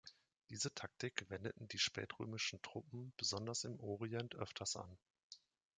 Diese Taktik wendeten die spätrömischen Truppen besonders im Orient öfters an.